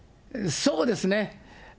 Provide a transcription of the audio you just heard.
そうですね。